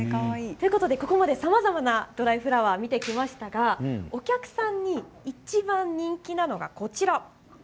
ここまで、さまざまなドライフラワーを見てきましたがお客さんに、一番人気なのがこちら。